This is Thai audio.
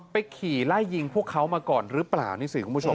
ขี่ไล่ยิงพวกเขามาก่อนหรือเปล่านี่สิคุณผู้ชม